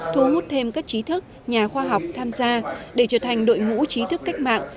thu hút thêm các trí thức nhà khoa học tham gia để trở thành đội ngũ trí thức cách mạng